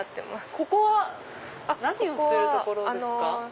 ここは何をする所ですか？